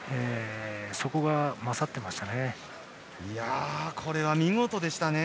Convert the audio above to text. そこが勝ってましたね。